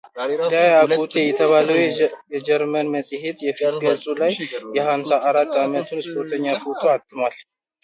ዳይ አኩቴ የተባለው የጀርመን መጽሔት የፊት ገጹ ላይ የሀምሳ አራት ዓመቱን ስፖርተኛ ፎቶ አትሟል።